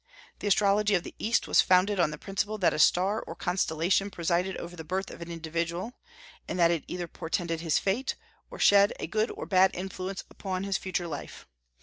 The astrology of the East was founded on the principle that a star or constellation presided over the birth of an individual, and that it either portended his fate, or shed a good or bad influence upon his future life.